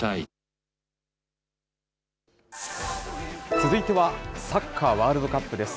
続いてはサッカーワールドカップです。